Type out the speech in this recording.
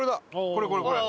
これこれこれ！